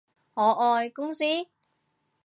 我愛公司